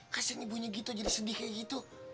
kasir ibunya gitu jadi sedih kayak gitu